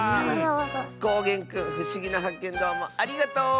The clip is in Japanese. こうげんくんふしぎなはっけんどうもありがとう！